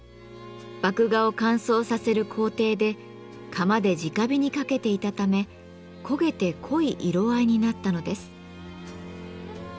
麦芽を乾燥させる工程で釜でじか火にかけていたため焦げて濃い色合いになったのです。